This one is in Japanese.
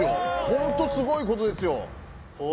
ホントすごいことですよ